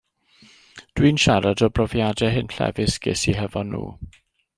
Dw i'n siarad o brofiadau hunllefus ges i hefo nhw.